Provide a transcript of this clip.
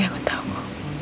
ya aku tau